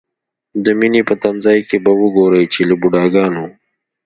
د مینې په تمځای کې به وګورئ چې له بوډاګانو.